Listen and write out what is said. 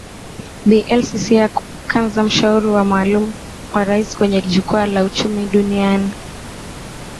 Bi Elsie Sia Kanza Mshauri wa Maalum wa rais kwenye jukwaa la Uchumi duniani